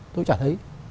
tôi chả thấy